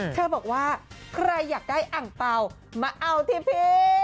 เธอบอกว่าใครอยากได้อังเปล่ามาเอาที่พี่